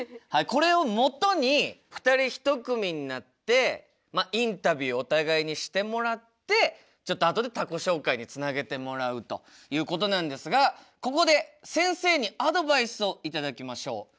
これをもとに２人一組になってインタビューお互いにしてもらってちょっとあとで他己紹介につなげてもらうということなんですがここで先生にアドバイスを頂きましょう。